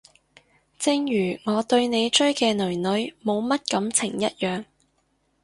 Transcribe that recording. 正如我對你追嘅囡囡冇乜感情一樣